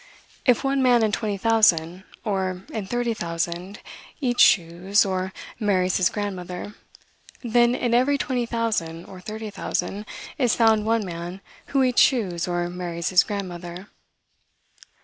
If one man in twenty thousand, or in thirty thousand, eats shoes, or marries his grandmother, then, in every twenty thousand, or thirty thousand, is found one man who eats shoes, or marries his grandmother.